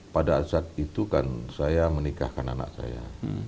pada saat itu kan saya menikahkan anak saya